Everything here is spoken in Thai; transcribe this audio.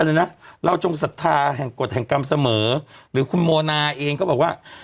เลยนะเราจงศรัทธาแห่งกฎแห่งกรรมเสมอหรือคุณโมนาเองก็บอกว่า